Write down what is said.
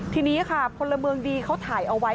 ทีนี้ค่ะพลเมืองดีเขาถ่ายเอาไว้